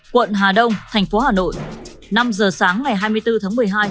quận hà đông tp hà nội năm h sáng ngày hai mươi bốn tháng một mươi hai